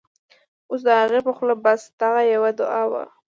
اوس د هغې په خوله بس، دغه یوه دعاوه